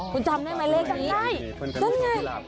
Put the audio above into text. คุณจำได้ไหมเลขนั้นไงนั่นไง